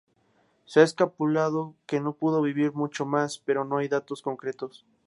Se ha especulado que no pudo vivir mucho más, pero no hay datos concretos.